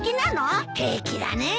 平気だねえ。